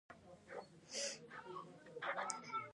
د لوی خیز پایلې بدې وې.